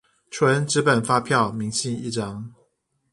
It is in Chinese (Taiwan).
純紙本發票明細一張